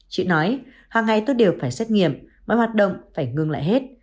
chị nói hằng ngày tôi đều phải xét nghiệm mọi hoạt động phải ngưng lại hết